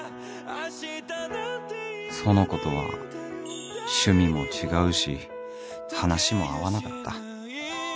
苑子とは趣味も違うし話も合わなかった